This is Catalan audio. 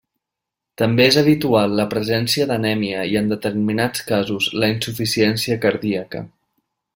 També és habitual la presència d'anèmia i en determinats casos la insuficiència cardíaca.